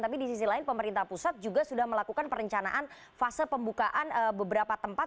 tapi di sisi lain pemerintah pusat juga sudah melakukan perencanaan fase pembukaan beberapa tempat